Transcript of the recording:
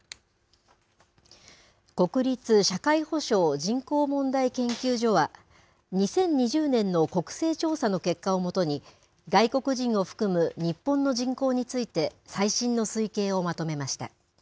国立社会保障・人口問題研究所は、２０２０年の国政調査の結果を基に、外国人を含む日本の人口について、最新の推計をまとめました。